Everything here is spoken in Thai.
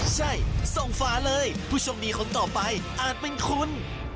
ใช่ส่งฝาเลยผู้โชคดีคนต่อไปอาจเป็นคุณ